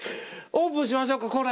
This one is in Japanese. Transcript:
オープンしましょうか。